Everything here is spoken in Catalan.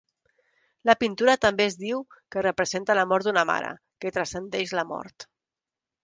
La pintura també es diu que representa l'amor d'una mare, que transcendeix la mort.